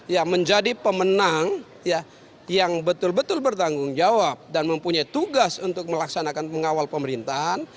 ya menjadi pemenang ya yang betul betul bertanggung jawab dan mempunyai tugas untuk melaksanakan pengawal pemerintahan